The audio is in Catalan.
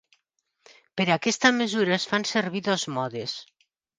Per aquesta mesura es fan servir dos modes.